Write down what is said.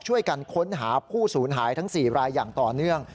ช่วยกันค้นหาผู้สูญหายทั้ง๔รายอย่างต่อเนื่อง